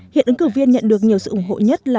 hiện ứng cử viên nhận được nhiều sự ủng hộ nhất